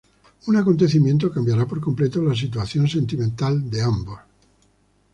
Un acontecimiento cambiara por completo la situación sentimental de ambos.